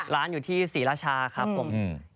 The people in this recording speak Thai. ร้านอยู่ที่ศรีราชาครับผม